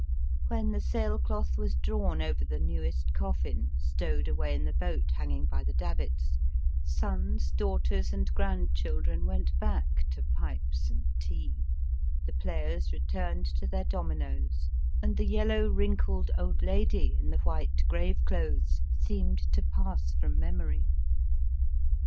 When the sailcloth was drawn over the newest coflSn stowed away in the boat hanging by the davits, sons, daughters, and grandchildren went back to pipes and tea, the players returned to their dominoes, and the yellow wrinkled old lady in the white grave clothes seemed to pass from memory.